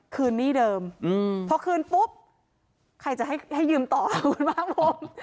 คืนนี่เดิมพอคืนปุ๊บใครจะให้ยืมต่อคุณบ้างผม